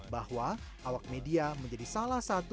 bahwa awak media menjadi salah satu